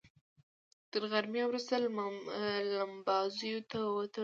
تر غرمې وروسته لمباځیو ته ووتلو.